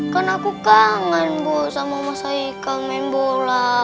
kan aku kangen bu sama mas haika main bola